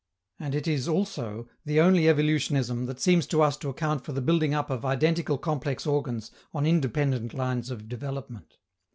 And it is also the only evolutionism that seems to us to account for the building up of identical complex organs on independent lines of development.